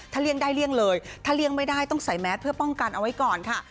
เลี่ยงได้เลี่ยงเลยถ้าเลี่ยงไม่ได้ต้องใส่แมสเพื่อป้องกันเอาไว้ก่อนค่ะ